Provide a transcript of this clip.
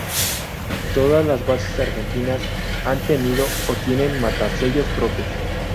Todas las bases argentinas han tenido o tienen matasellos propios.